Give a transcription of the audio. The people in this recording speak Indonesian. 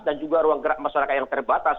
dan juga ruang gerak masyarakat yang terbatas